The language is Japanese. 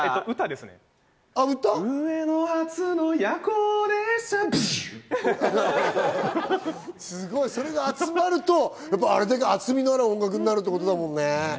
すごい！それが集まると、あれだけ厚みのある音楽になるんだもんね。